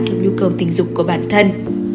những nhu cầu tinh dục của bản thân